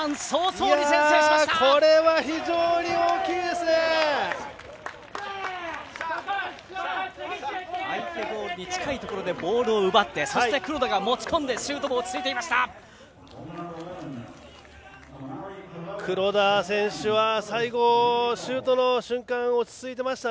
相手ゴールに近いところでボールを奪って、黒田が持ち込みシュートも落ち着いていました。